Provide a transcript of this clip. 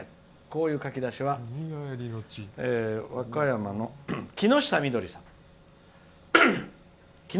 こういう書き出しは和歌山のきのしたみどりさん。